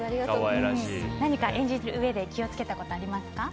何か演じるうえで気を付けたことはありますか？